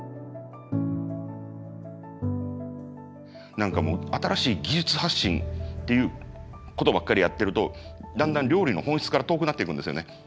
何かもう新しい技術発信っていうことばっかりやってるとだんだん料理の本質から遠くなっていくんですよね。